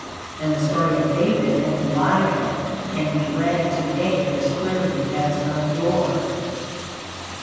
And the story of David and Goliath can be read to day as clearly as of yore.